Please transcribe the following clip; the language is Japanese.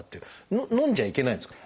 のんじゃいけないんですか？